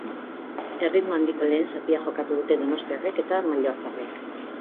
Erritmo handiko lehen zatia jokatu dute donostiarrek eta mallorcarrek.